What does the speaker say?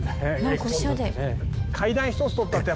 階段一つとったって